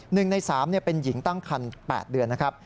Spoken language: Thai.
หนึ่งในสามเป็นหญิงตั้งคัน๘เดือนนะครับ